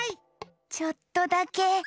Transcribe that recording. ちょっとだけ！